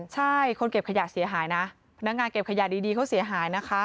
ใช่คนเก็บขยะเสียหายนะพนักงานเก็บขยะดีเขาเสียหายนะคะ